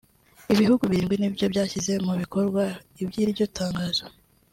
ibihugu birindwi ni byo byashyize mu bikorwa iby’iryo tangazo